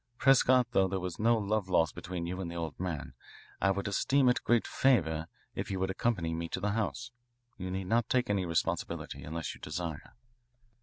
Prescott, though there was no love lost between you and the old man, I would esteem it a great favour if you would accompany me to the house. You need not take any responsibility unless you desire."